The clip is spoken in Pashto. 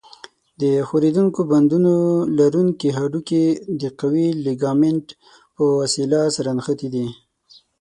د ښورېدونکو بندونو لرونکي هډوکي د قوي لیګامنت په وسیله سره نښتي دي.